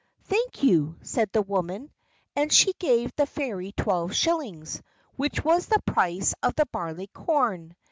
"Thank you," said the woman, and she gave the Fairy twelve shillings, which was the price of the barley corn.